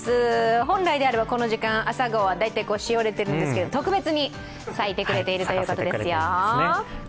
本来であればこの時間、あさがおは大体しぼんでいるんですが、特別に咲いてくれているということですよ。